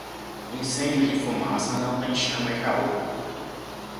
Incêndios de fumaça não têm chama e calor.